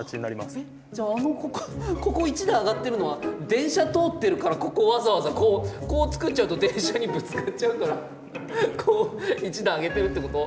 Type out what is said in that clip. えっじゃああのここ１段上がってるのは電車通ってるからここをわざわざこうこう造っちゃうと電車にぶつかっちゃうからこう１段上げてるってこと？